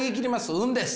運です！